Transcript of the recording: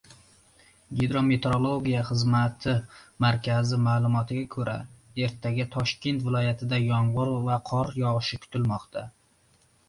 Gidrometeorologiya xizmati markazi maʼlumotiga koʻra, ertaga Toshkent viloyatida yomgʻir va qor yogʻishi kutilmoqda.